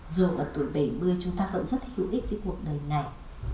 dù ở tuổi bảy mươi chúng ta vẫn rất hữu ích với cuộc đời này